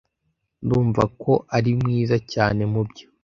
Ndumva ko uri mwiza cyane mubyo